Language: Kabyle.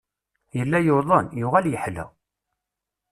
Yella yuḍen, yuɣal yeḥla.